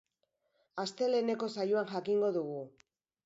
Asteleheneko saioan jakingo dugu.